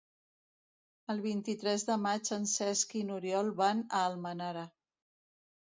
El vint-i-tres de maig en Cesc i n'Oriol van a Almenara.